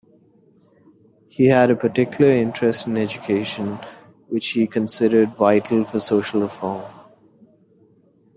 He had a particular interest in education, which he considered vital for social reform.